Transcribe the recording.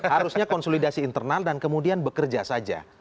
harusnya konsolidasi internal dan kemudian bekerja saja